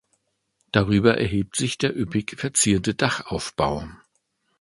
Darüber erhebt sich der üppig verzierte Dachaufbau.